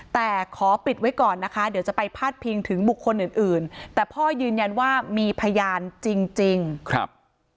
แต่ขอปิดไว้ก่อนนะคะเดี๋ยวจะไปพาดพิงถึงบุคคลอื่นอื่นแต่พ่อยืนยันว่ามีพยานจริงจริงครับ